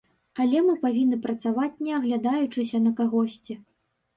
Але мы павінны працаваць, не аглядаючыся на кагосьці.